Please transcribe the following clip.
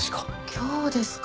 今日ですか。